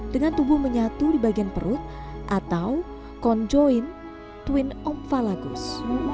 dengan tubuh menyatu di bagian perut atau konjoin twin omfalagus